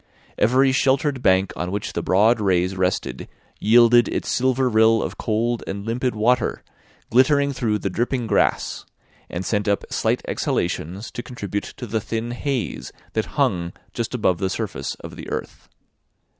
Every sheltered bank on which the broad rays rested yielded its silver rill of cold and limpid water, glittering through the dripping grass; and sent up slight exhalations to contribute to the thin haze that hung just above the surface of the earth.